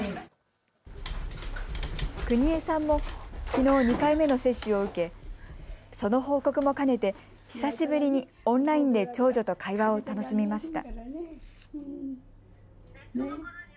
国枝さんもきのう２回目の接種を受けその報告も兼ねて久しぶりにオンラインで長女と会話を楽しみました。